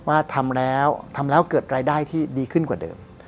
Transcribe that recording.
ว่าทำแล้วทำแล้วเกิดรายได้ที่ดีขึ้นกว่าเดิม